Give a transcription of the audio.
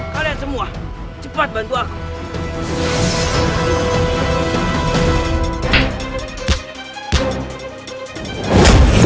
kalian semua cepat bantu aku